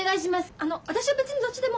あの私は別にどっちでも。